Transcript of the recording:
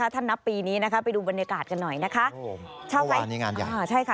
ท่านนับปีนี้ไปดูบรรยากาศกันหน่อยนะคะ